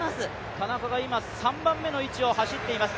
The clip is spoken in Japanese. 田中が今、３番目の位置を走っています。